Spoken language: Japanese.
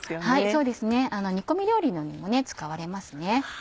そうですね煮込み料理などにも使われますね。